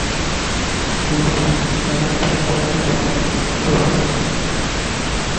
তিনি পাকিস্তানের পেশোয়ারে সমাধিস্থ হন।